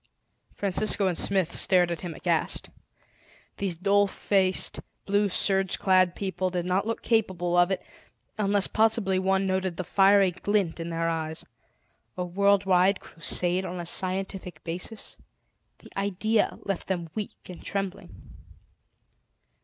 Francisco and Smith stared at him aghast. These dull faced, blue sergeclad people did not look capable of it; unless possibly one noted the fiery glint in their eyes. A worldwide Crusade on a scientific basis! The idea left them weak and trembling.